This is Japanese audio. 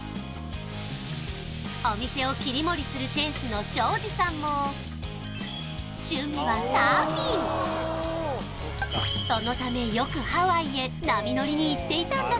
お店を切り盛りする店主の庄司さんも趣味はサーフィンそのためよくハワイへ波乗りに行っていたんだ